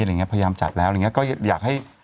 อะไรอย่างนี้พยายามจัดแล้วอะไรอย่างนี้ก็อยากให้